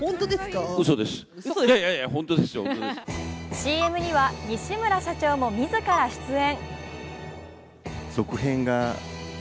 ＣＭには西村社長も自ら出演。